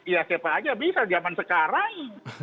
ya siapa aja bisa zaman sekarang